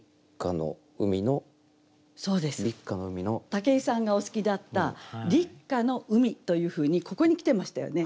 武井さんがお好きだった「立夏の海」というふうにここに来てましたよね。